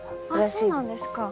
そうなんですか。